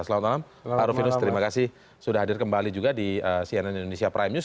selamat malam pak rufinus terima kasih sudah hadir kembali juga di cnn indonesia prime news